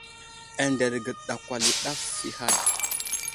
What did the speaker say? Anderge ɗakwala i ɗaf i hay.